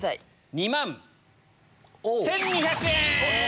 ２万１２００円。